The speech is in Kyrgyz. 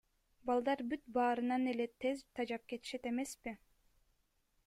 Балдар бүт баарынан эле тез тажап кетишет эмеспи.